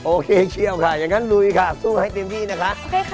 โอเคเชียวค่ะอย่างนั้นลุยค่ะสู้ให้เต็มที่นะคะ